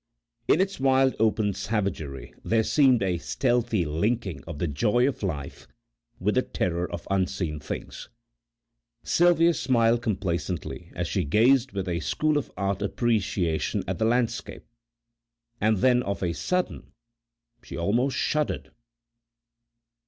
In its wild open savagery there seemed a stealthy linking of the joy of life with the terror of unseen things. Sylvia smiled complacently as she gazed with a School of Art appreciation at the landscape, and then of a sudden she almost shuddered.